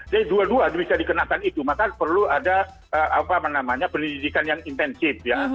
jadi dua dua bisa dikenakan itu maka perlu ada pendidikan yang intensif ya